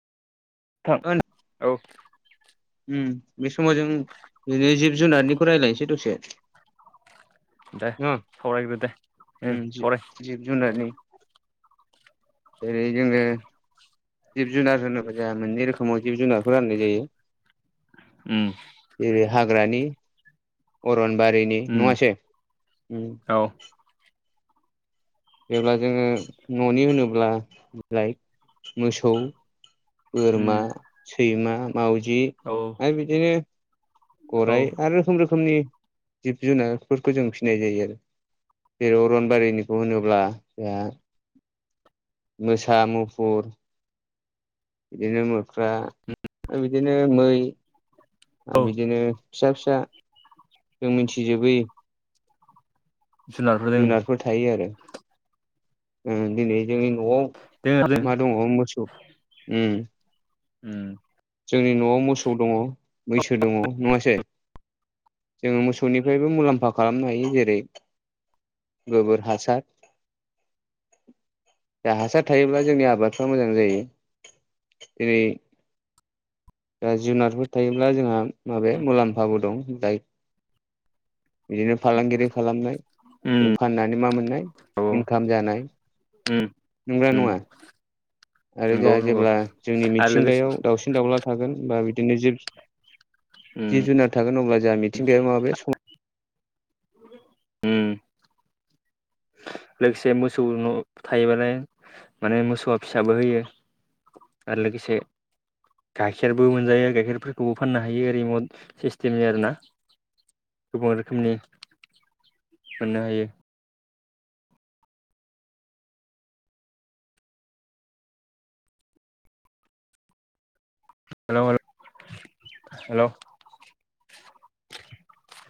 थां औ ओम बे समाव जों बिदिनो जिब जुनारनिखौ रायलायनोसै दसे दे सावरायग्रो दे उम [inaudible] सावराय जिब जुनादनि [inaudible] जिब जुनार होनोब्ला जोंहा मोननै रोखोमाव जिब जुनारखौ राननाय जायो। उम जेरै हाग्रानि अनबारिनि उम नङासै उम औ जेब्ला जोङो न'नि होनोब्ला ला लाइक मोसौ बोरमा उम सैमा मावजि औ आरो बिदिनो औ गराइ आरो रोखोम रोखोमनि जिब जुनारफोरखौ जों फिसिनाय जायो आरो जेराव अरनबारिनिखौ होनोब्ला जोंहा मोसा मुफुर बिदिनो मोख्रा बिदिनो मै आरो औ बिदिनो फिसा फिसा जों मिथिजोबै जुनारफोरजों जुनारफोर थायो आरो ओ दिनै जोंनि न'आव जों मा दङ मोसौ उम उम जोंनि न'आव मोसौ दङ मैसो दङ नङासै जोङो मोसौनिफ्रायबो मुलाम्फा खालामनो हायो जेरै गोबोर हासार दा हासार थायोब्ला जोंनि आबादफ्रा मोजां जायो। जेरै दा जुनारफोर थायोब्ला जोंहा माबे मुलाम्फाबो दं दाय बिदिनो फालांगिरि खालामनाय उम जों फाननानै मा मोननाय औ इनकाम जानाय उम नंगौ ना उम नङा आरो नंगौ जोंहा नंगौ जेब्ला जोंनि आरो लोगोसे मिथिंगायाव दाावसिन दाउला थागोन बा बिदिनो जिब उम जिब जुनार थागोन अब्ला जोंहा मिथिंगाया माब सम होम लोगोसे मोसौ थायोबालाय माने मोसौआ फिसाबो होयो। आरो लोगोसे लोगोसे गाइखेरबो मोनजायो गाइखेरफोरखौबो फाननो हायो रिमट सिस्टेमनि आरोना। गोबां रोखोमनि मोननो हायो। हेलौ